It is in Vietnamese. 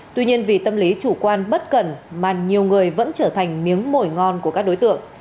tuy nhiên vì tâm lý chủ quan bất cẩn mà nhiều người vẫn trở thành miếng mồi ngon của các đối tượng